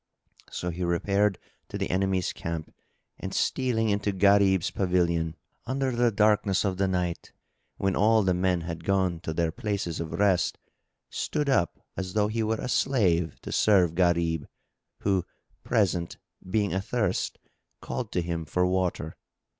So he repaired to the enemy's camp and stealing into Gharib's pavilion, under the darkness of the night, when all the men had gone to their places of rest, stood up as though he were a slave to serve Gharib, who presently, being athirst, called to him for water.